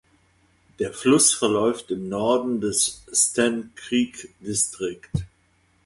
Der Fluss verläuft im Norden des Stann Creek District.